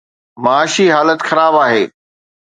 معاشي حالت خراب آهي.